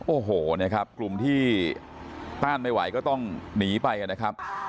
โอ้โหนะครับกลุ่มที่ต้านไม่ไหวก็ต้องหนีไปนะครับ